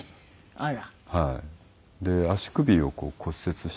あら。